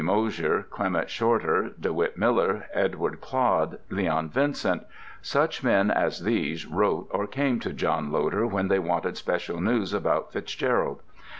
Mosher, Clement Shorter, Dewitt Miller, Edward Clodd, Leon Vincent—such men as these wrote or came to John Loder when they wanted special news about FitzGerald.